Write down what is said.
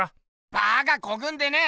バカこくんでねぇ！